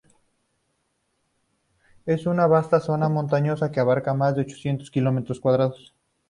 Es una vasta zona montañosa que abarca más de ochocientos kilómetros cuadrados.